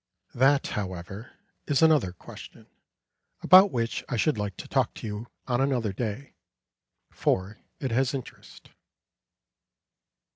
That, however, is another question, about which I should like to talk to you on another day, for it has interest.